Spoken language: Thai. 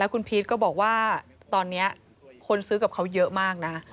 คุณพีชก็บอกว่าตอนนี้คนซื้อกับเขาเยอะมากนะ